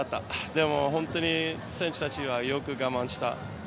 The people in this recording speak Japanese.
でも、本当に選手たちはよく我慢した。